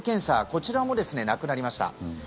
こちらもなくなりました。